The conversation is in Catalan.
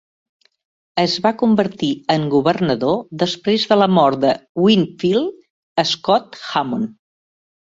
Es va convertir en governador després de la mort de Winfield Scott Hammond.